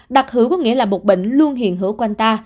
đặc hữu có nghĩa là một bệnh luôn hiện hữu quanh ta